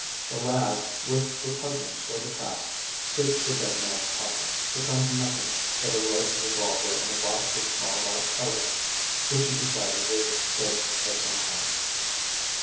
The lad, with repugnance for the task, searched the dead man's pockets, but found nothing but a loaded revolver and a box of small white pellets which he decided was dope of some kind.